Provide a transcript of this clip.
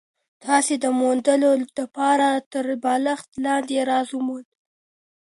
تاسي د موندلو دپاره تر بالښت لاندي راز وموند؟